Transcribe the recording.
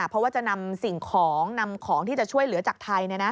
เพราะว่าจะนำสิ่งของนำของที่จะช่วยเหลือจากไทย